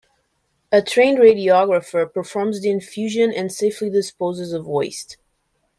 A trained radiographer performs the infusion and safely disposes of waste.